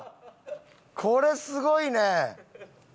これすごいね。